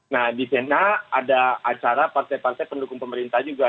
nah di sena ada acara partai partai pendukung pemerintah juga